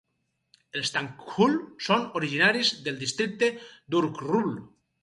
Els Tangkhul són originaris del districte d'Ukhrul.